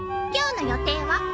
今日の予定は？